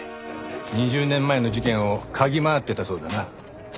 ２０年前の事件を嗅ぎ回ってたそうだな。